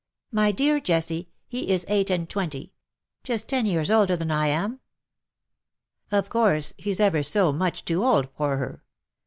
" My dear Jessie, he is eight and twenty. Just ten years older than I am/'' " Of course — he^s ever so much too old for her.